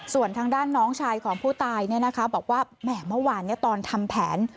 ส่วนทางด้านน้องชายของผู้ตายเนี่ยนะคะบอกว่าแม่เมื่อวานเนี่ยตอนทำแผน